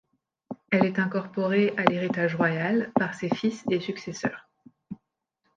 Elle est incorporée à l'héritage royal par ses fils et successeurs.